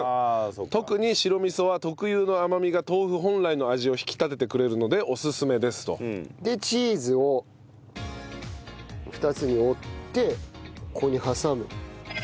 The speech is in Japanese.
特に白味噌は特有の甘みが豆腐本来の味を引き立ててくれるのでおすすめですと。でチーズを２つに折ってここに挟む。